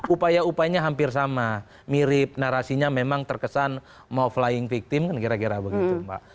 upaya upayanya hampir sama mirip narasinya memang terkesan mau flying victim kan kira kira begitu mbak